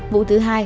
vụ thứ hai